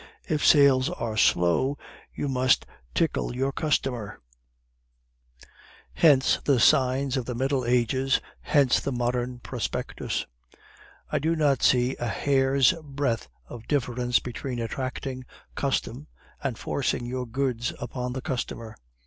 If sales are slow, you must tickle your customer; hence the signs of the Middle Ages, hence the modern prospectus. I do not see a hair's breadth of difference between attracting custom and forcing your goods upon the consumer.